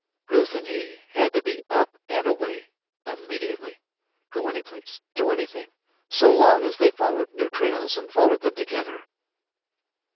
Ruth and he had to be up and away, immediately; go any place, do anything, so long as they followed new trails, and followed them together.